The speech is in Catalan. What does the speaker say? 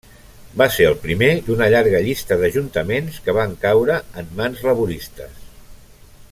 Va ser el primer d'una llarga llista d'ajuntaments que van caure en mans laboristes.